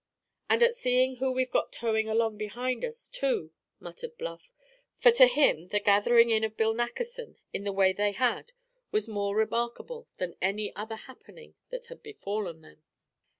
"And at seeing who we've got towing along behind us, too," muttered Bluff; for to him the gathering in of Bill Nackerson in the way they had was more remarkable than any other happening that had befallen them.